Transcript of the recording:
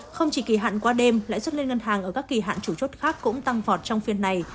không chỉ kỳ hạn qua đêm lãi suất liên ngân hàng ở các kỳ hạn chủ chốt khác cũng tăng vọt trong phiên này